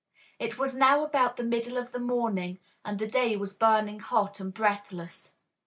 It was now about the middle of the morning and the day was burning hot and breathless.